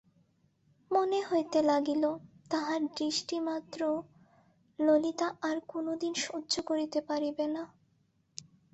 মনে হইতে লাগিল, তাহার দৃষ্টিমাত্রও ললিতা আর কোনোদিন সহ্য করিতে পারিবে না।